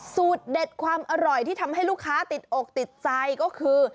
สูตรเด็ดความอร่อยที่ทำให้ลูกค้าติดอกติดใจก็คือ